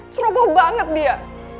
ceroboh banget dia